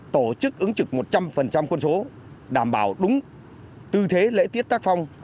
tổ chức ứng trực một trăm linh quân số đảm bảo đúng tư thế lễ tiết tác phong